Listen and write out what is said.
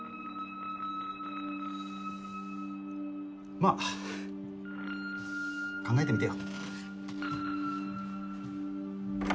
まあははっ考えてみてよ。